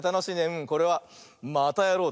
うんこれは「またやろう！」